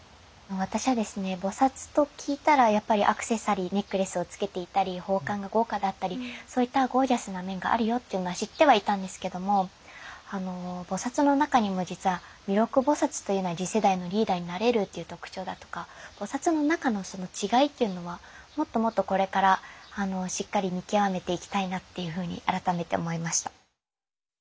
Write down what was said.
私はですね菩と聞いたらやっぱりアクセサリーネックレスをつけていたり宝冠が豪華だったりそういったゴージャスな面があるよっていうのは知ってはいたんですけども菩の中にも実は弥勒菩というのは次世代のリーダーになれるっていう特徴だとか菩の中のその違いっていうのはもっともっとこれからしっかり見極めていきたいなっていうふうに改めて思いました。